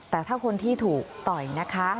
แต่ถ้าคนที่ถูกต่อยนะคะ